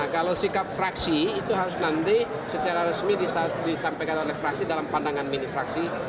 kalau sikap fraksi itu harus nanti secara resmi disampaikan oleh fraksi dalam pandangan mini fraksi